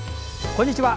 こんにちは。